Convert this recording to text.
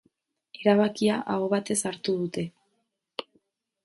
Erabakia aho batez hartu dute.